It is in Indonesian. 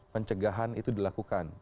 pencegahan itu dilakukan